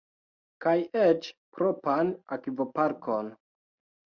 Kaj eĉ propran akvoparkon!